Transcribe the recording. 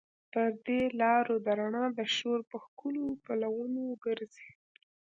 پر دې لارو د رڼا د شور، په ښکلو پلونو ګرزي